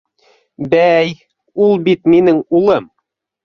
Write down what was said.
Бәй, ул бит... минең улым!